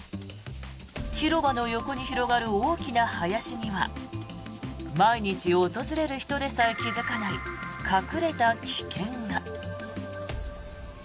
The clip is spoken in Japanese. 広場の横に広がる大きな林には毎日訪れる人でさえ気付かない隠れた危険が。